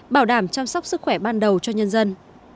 bảo đảm chăm sóc sức khỏe ban đầu cho nhân dân